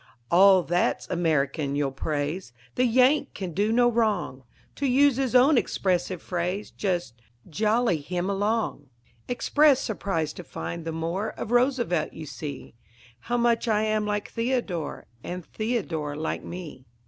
All that's American you'll praise; The Yank can do no wrong. To use his own expressive phrase, Just "jolly him along." Express surprise to find, the more Of Roosevelt you see, How much I am like Theodore, And Theodore like me.